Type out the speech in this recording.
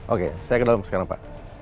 oke saya ke dalam sekarang pak